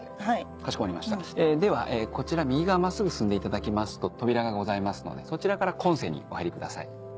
かしこまりましたではこちら右側真っすぐ進んでいただきますと扉がございますのでそちらから今世にお入りください。